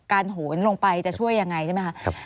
การโหวนลงไปจะช่วยยังไงใช่ไหมครับ